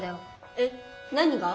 えっ何が？